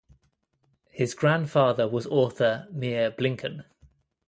His grandfather was author Meir Blinken.